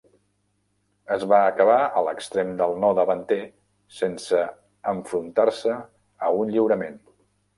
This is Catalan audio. Es va acabar a l'extrem del no davanter sense enfrontar-se a un lliurament.